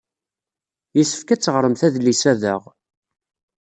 Yessefk ad teɣremt adlis-a daɣ.